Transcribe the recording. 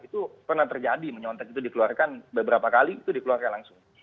itu pernah terjadi menyontek itu dikeluarkan beberapa kali itu dikeluarkan langsung